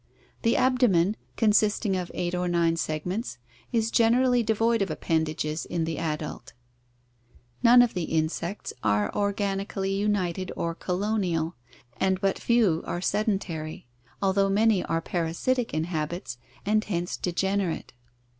The abdomen, consisting of eight or nine segments, is generally devoid of appendages in the adult. None of the insects are organi cally united or colonial, and but few are sedentary, although many are parasitic in habits and hence degenerate.